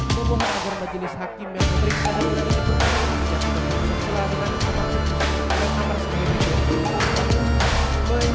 kebohongan agung majelis hakim yang terik dan berdari diperkati